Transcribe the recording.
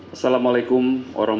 assalamualaikum wr wb